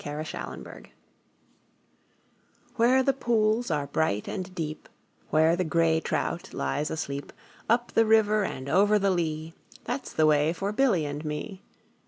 A Boy's Song WHERE the pools are bright and deep, Where the grey trout lies asleep, Up the river and over the lea, That 's the way for Billy and me.